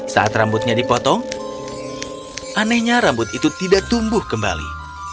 saat rambutnya dipotong anehnya rambut itu tidak tumbuh kembali